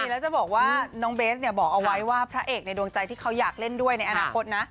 แล้วจะบอกว่าน้องเบสบอกเอาไว้ว่าพระเอกในดวงใจที่เขาอยากเล่นด้วยในอนาคตนะ